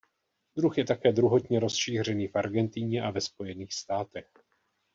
Druh je také druhotně rozšířený v Argentině a ve Spojených státech.